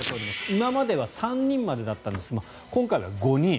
今までは３人までだったんですが今回は５人。